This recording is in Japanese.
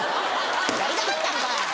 やりたかったんかい！